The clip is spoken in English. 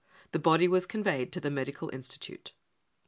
The body was conveyed to the medical institute."